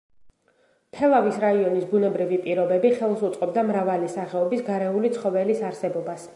თელავის რაიონის ბუნებრივი პირობები ხელს უწყობდა მრავალი სახეობის გარეული ცხოველის არსებობას.